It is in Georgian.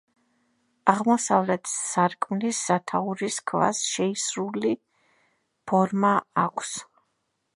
აღმოსავლეთ სარკმლის სათაურის ქვას შეისრული ფორმა აქვს.